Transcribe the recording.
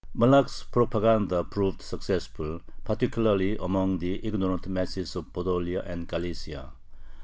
Malakh's propaganda proved successful, particularly among the ignorant masses of Podolia and Galicia.